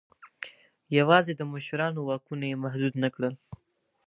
یوازې د مشرانو واکونه یې محدود نه کړل.